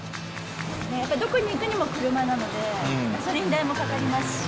やっぱどこに行くにも車なので、ガソリン代もかかりますし。